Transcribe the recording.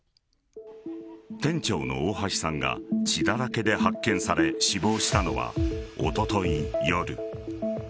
店長の大橋さんが血だらけで発見され死亡したのはおととい夜。